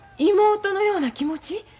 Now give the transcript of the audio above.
妹のような気持ち？